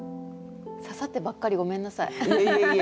刺さってばっかりごめんなさい。